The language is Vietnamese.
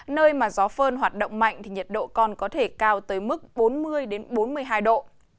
nơi mà gió phơn hoạt động mạnh thì nhiệt độ còn có thể cao tới mức bốn mươi bốn mươi hai độ